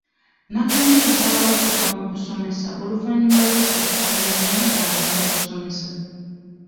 Nakandi yasalawo okuva mu kusomesa oluvannyuma lw'okugwa ku kabenje ng'agenda okusomesa